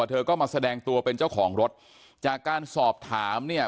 เธอก็มาแสดงตัวเป็นเจ้าของรถจากการสอบถามเนี่ย